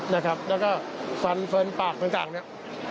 นะครับแล้วก็ฟันฟันปากต่างเนี่ย